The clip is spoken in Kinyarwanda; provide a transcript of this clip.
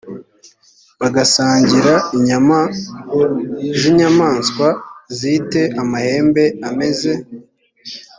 bagasangira inyama z inyamaswa zi te amahembe ameze